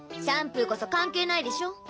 シャンプーこそ関係ないでしょ